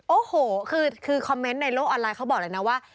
โอ้โหคือคอมเมนต์ในโลกออนไลน์เขาบอกเลยนะว่า